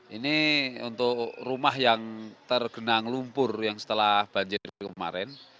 ini untuk rumah yang tergenang lumpur yang setelah banjir kemarin